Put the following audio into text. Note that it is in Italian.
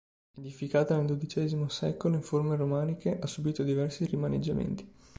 Edificata nel dodicesimo secolo in forme romaniche ha subito diversi rimaneggiamenti.